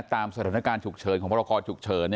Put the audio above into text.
ตามสถานการณ์ฉุกเฉินของพรกรฉุกเฉิน